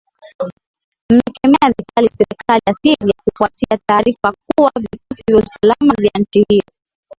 mmekemea vikali serikali ya syria kufuatia taarifa kuwa vikosi vya usalama vya nchi hiyo